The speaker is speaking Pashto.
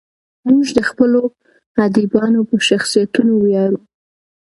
موږ د خپلو ادیبانو په شخصیتونو ویاړو.